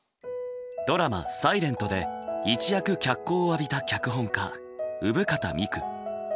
ドラマ「ｓｉｌｅｎｔ」で一躍脚光を浴びた脚本家生方美久。